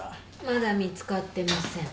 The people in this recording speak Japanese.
まだ見つかってません。